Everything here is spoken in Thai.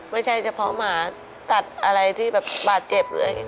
ไม่ใช่เฉพาะหมาตัดอะไรที่แบบบาดเจ็บเลย